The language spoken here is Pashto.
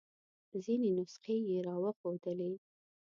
ځینې نسخې یې را وښودلې.